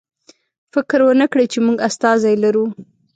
فکر ونکړئ چې موږ استازی لرو.